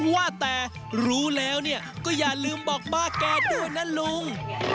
ว่าแต่รู้แล้วเนี่ยก็อย่าลืมบอกบ้าแกด้วยนะลุง